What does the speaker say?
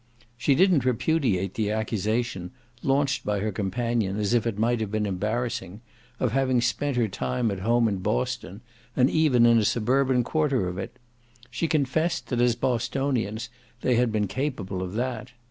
She didn't repudiate the accusation, launched by her companion as if it might have been embarrassing, of having spent her time at home in Boston, and even in a suburban quarter of it: she confessed that as Bostonians they had been capable of that.